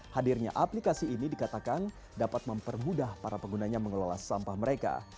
hadirnya aplikasi ini dikatakan dapat mempermudah para penggunanya mengelola sampah mereka